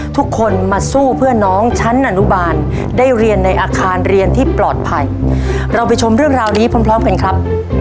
ทุกคนมาสู้เพื่อน้องชั้นอนุบาลได้เรียนในอาคารเรียนที่ปลอดภัยเราไปชมเรื่องราวนี้พร้อมพร้อมกันครับ